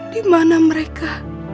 di mana mereka